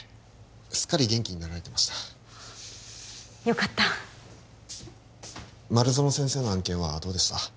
すっかり元気になられてましたよかった丸園先生の案件はどうでした？